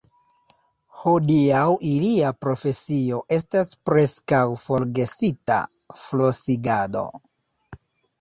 Hodiaŭ ilia profesio estas preskaŭ forgesita: flosigado.